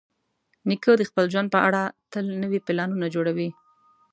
نیکه د خپل ژوند په اړه تل نوي پلانونه جوړوي.